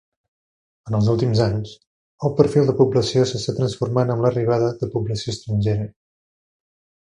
En els últims anys, el perfil de població s'està transformant amb l'arribada de població estrangera.